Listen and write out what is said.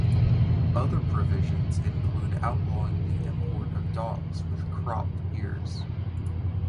Other provisions include outlawing the import of dogs with "cropped" ears.